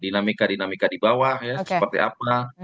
dinamika dinamika di bawah ya seperti apa